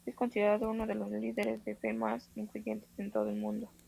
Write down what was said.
Es considerado uno de los líderes de Fe más influyentes de todo el mundo.